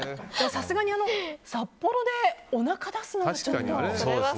さすがに札幌でおなか出すのはちょっと。